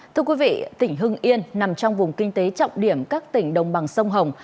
thưa quý vị tỉnh hưng yên nằm trong vùng kinh tế trọng điểm các tỉnh đồng bằng sông hồng